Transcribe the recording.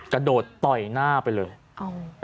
กระโดดต่อยหน้าไปเลย